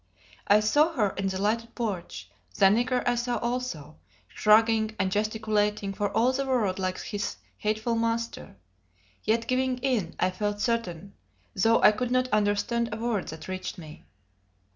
I saw her in the lighted porch; the nigger I saw also, shrugging and gesticulating for all the world like his hateful master; yet giving in, I felt certain, though I could not understand a word that reached me.